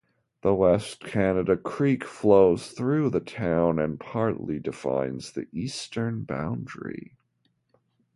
The West Canada Creek flows through the town and partly defines the eastern boundary.